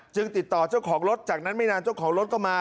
ติดต่อเจ้าของรถจากนั้นไม่นานเจ้าของรถก็มา